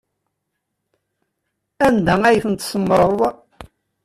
Anda ay ten-tsemmṛeḍ?